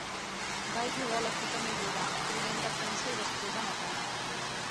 Va ajudar a l'equip a millorar, primer en defensa i després en atac.